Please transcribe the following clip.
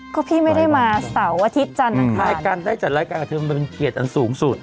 ก็พี่ไม่ได้มาเสาร์อาทิตย์จันทร์อังคารการได้จัดรายการกับเธอมันเป็นเกียรติอันสูงสุด